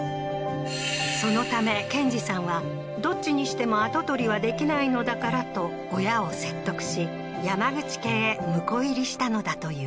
そのため憲二さんはどっちにしても跡取りはできないのだからと親を説得し山口家へ婿入りしたのだという